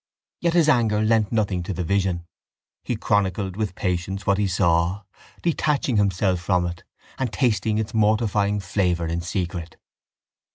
Yet his anger lent nothing to the vision. He chronicled with patience what he saw, detaching himself from it and tasting its mortifying flavour in secret.